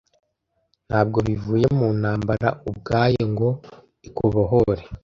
Ntabwo bivuye mu ntambara ubwayo ngo ikubohore,